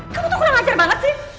kamu tuh kurang ajar banget sih